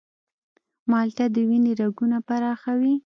مالټه د وینې رګونه پراخوي.